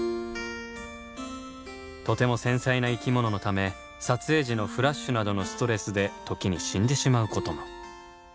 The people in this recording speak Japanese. とても繊細な生き物のため撮影時のフラッシュなどのストレスで時に死んでしまうことも。